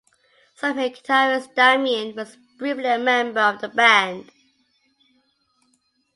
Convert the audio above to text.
Samhain guitarist Damien was briefly a member of the band.